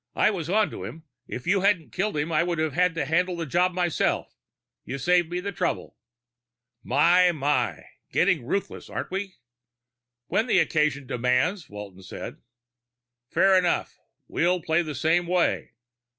"I was on to him. If you hadn't killed him, I would have had to handle the job myself. You saved me the trouble." "My, my! Getting ruthless, aren't we!" "When the occasion demands," Walton said. "Fair enough. We'll play the same way."